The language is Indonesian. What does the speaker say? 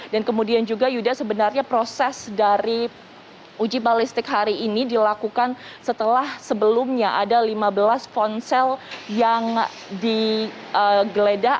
kemudian juga yuda sebenarnya proses dari uji balistik hari ini dilakukan setelah sebelumnya ada lima belas ponsel yang digeledah